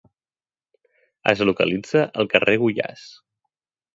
Es localitza al Carrer Goiás.